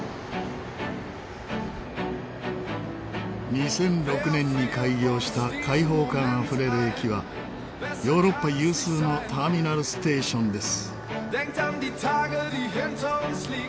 ２００６年に開業した開放感あふれる駅はヨーロッパ有数のターミナルステーションです。